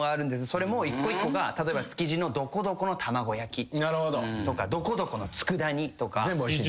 それも一個一個が例えば築地のどこどこの卵焼きとかどこどこの佃煮とか。